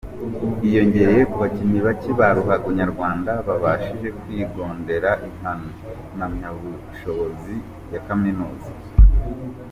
Yiyongereye ku bakinnyi bake ba ruhago nyarwanda babashije kwigondera impamyabushobozi ya kaminuza.